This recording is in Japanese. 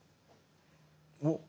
おっ！